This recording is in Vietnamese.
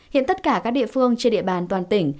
hiện tất cả các địa phương trên địa bàn toàn tỉnh